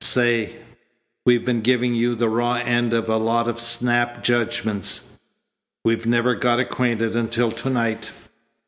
"Say! We've been giving you the raw end of a lot of snap judgments. We've never got acquainted until to night."